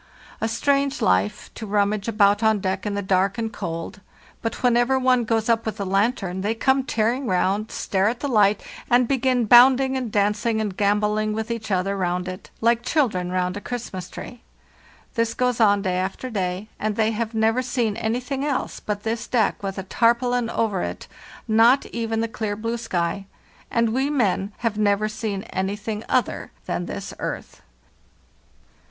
A strange life to rummage about on deck in the dark and cold; but whenever one goes up with a lantern they WE PREPARE FOR THE SLEDGE EXPEDITION 7 come tearing round, stare at the light, and begin bound ing and dancing and gambolling with each other round it, like children round a Christmas tree. This goes on day after day, and they have never seen anything else than this deck with a tarpaulin over it, not even the clear blue sky; and we men have never seen anything else than this earth